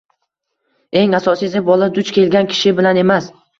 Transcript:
Eng asosiysi, bola duch kelgan kishi bilan emas